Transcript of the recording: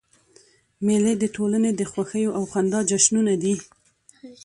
مېلې د ټولني د خوښیو او خندا جشنونه دي.